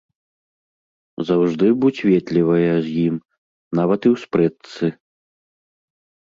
Заўжды будзь ветлівая з ім, нават і ў спрэчцы.